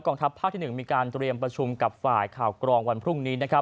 ทัพภาคที่๑มีการเตรียมประชุมกับฝ่ายข่าวกรองวันพรุ่งนี้